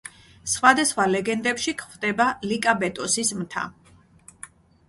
სხვადასხვა ლეგენდებში გვხვდება ლიკაბეტოსის მთა.